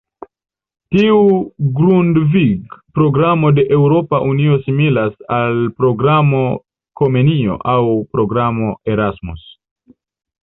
Tiu Grundvig-programo de Eŭropa Unio similas al programo Komenio aŭ programo Erasmus.